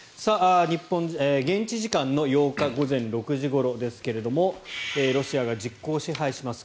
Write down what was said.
現地時間の８日午前６時ごろですがロシアが実効支配します